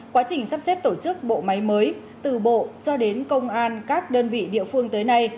quá trình sắp xếp tổ chức bộ máy mới từ bộ cho đến công an các đơn vị địa phương tới nay